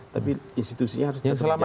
tapi institusinya harus tetap dijaga